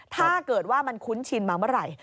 ถ้าเกิดว่ามันคุ้นชินมาเมื่อไหร่